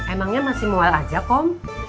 emangnya masih mauel aja kom